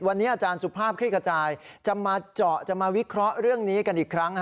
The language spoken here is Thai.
วันนี้อาจารย์สุภาพคลี่ขจายจะมาเจาะจะมาวิเคราะห์เรื่องนี้กันอีกครั้ง